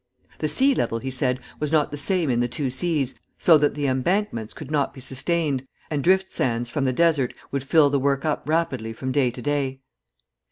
The sea level, he said, was not the same in the two seas so that the embankments could not be sustained, and drift sands from the desert would fill the work up rapidly from day to day.